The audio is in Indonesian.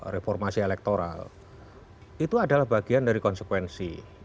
reformasi elektoral itu adalah bagian dari konsekuensi